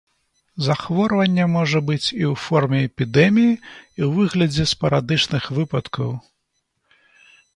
Захворванне можа быць і ў форме эпідэміі, і ў выглядзе спарадычных выпадкаў.